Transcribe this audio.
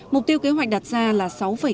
mục tiêu kế hoạch đặt ra là sáu tám